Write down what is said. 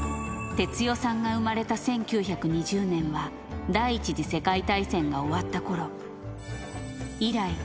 哲代さんが生まれた１９２０年は、第１次世界大戦が終わったころ。